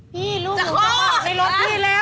พี่ลูกหนูจะออกในรถพี่แล้ว